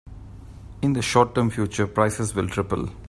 In the short term future, prices will triple.